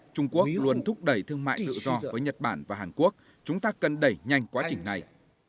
cho với nhật bản và hàn quốc chúng ta cần đẩy nhanh quá trình này